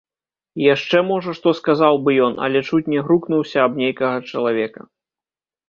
Яшчэ, можа, што сказаў бы ён, але чуць не грукнуўся аб нейкага чалавека.